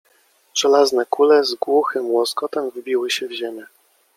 Żelazne kule z głuchym łoskotem wbiły się w ziemię.